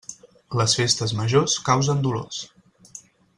Les festes majors causen dolors.